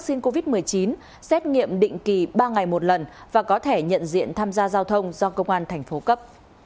xét nghiệm covid một mươi chín xét nghiệm định kỳ ba ngày một lần và có thể nhận diện tham gia giao thông do công an tp cấp